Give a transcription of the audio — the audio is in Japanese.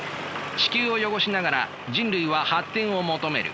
地球を汚しながら人類は発展を求める。